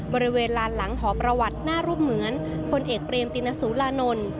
บริเวณลานหลังหอประวัติหน้ารูปเหมือนพลเอกเปรมตินสุรานนท์